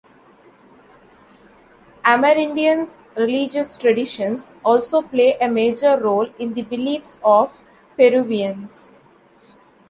Amerindian religious traditions also play a major role in the beliefs of Peruvians.